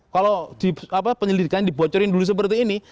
kalau penyelidikannya dibocorkan dulu seperti ini